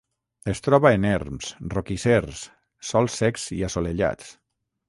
Es troba en erms, roquissers, sòls secs i assolellats.